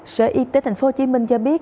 sở y tế tp hcm cho biết